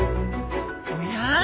おや？